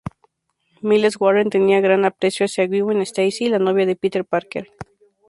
Miles Warren tenía gran aprecio hacia Gwen Stacy, la novia de Peter Parker.